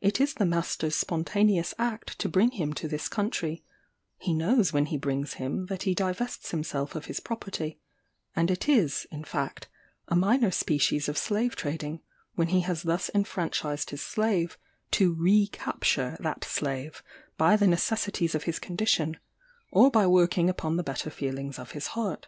It is the master's spontaneous act to bring him to this country; he knows when he brings him that he divests himself of his property; and it is, in fact, a minor species of slave trading, when he has thus enfranchised his slave, to re capture that slave by the necessities of his condition, or by working upon the better feelings of his heart.